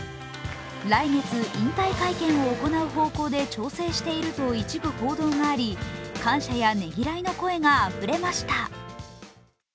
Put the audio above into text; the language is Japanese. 来月、引退会見を行う方向で調整していると一部報道があり、感謝やねぎらいの声があふれました。